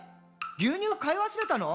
牛乳買い忘れたの？」